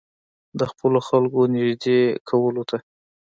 د خپلو خلکو نېږدې کولو ته.